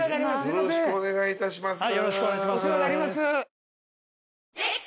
よろしくお願いします。